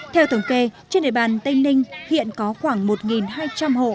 theo thống kê trên đề bàn tây ninh hiện có khoảng một hai trăm linh hộ